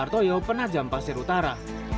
martoyo penajam pasir utara